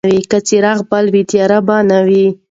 که څراغ بل وای، تیاره به نه وه.